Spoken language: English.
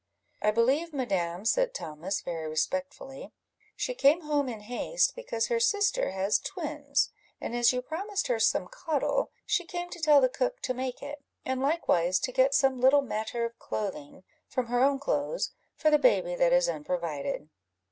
"I believe, madam," said Thomas, very respectfully, "she came home in haste, because her sister has twins; and as you promised her some caudle, she came to tell the cook to make it, and likewise to get some little matter of clothing, from her own clothes, for the baby that is unprovided."